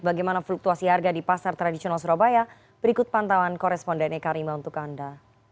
bagaimana fluktuasi harga di pasar tradisional surabaya berikut pantauan koresponden eka rima untuk anda